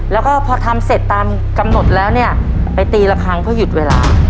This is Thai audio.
แล้วก็พอทำเสร็จตามกำหนดแล้วเนี่ยไปตีละครั้งเพื่อหยุดเวลา